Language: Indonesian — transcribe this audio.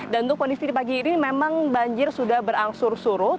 dan untuk kondisi di pagi ini memang banjir sudah berangsur surut